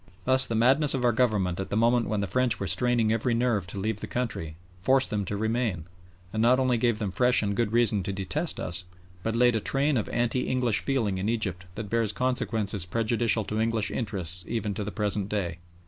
Thus the madness of our Government at the moment when the French were straining every nerve to leave the country, forced them to remain, and not only gave them fresh and good reason to detest us, but laid a train of anti English feeling in Egypt that bears consequences prejudicial to English interests even to the present day.